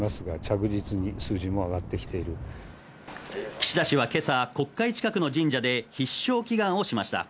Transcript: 岸田氏は今朝、国会近くの神社で必勝祈願をしました。